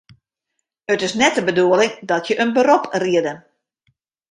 It is net de bedoeling dat je in berop riede.